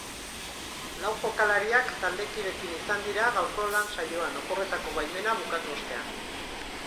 Lau jokalariak taldekideekin izan dira gaurko lan saioan oporretako baimena bukatu ostean.